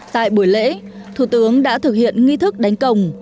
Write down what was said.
tại buổi lễ thủ tướng đã thực hiện nghi thức đánh công